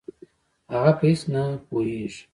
هغه په هېڅ نه پوهېږي.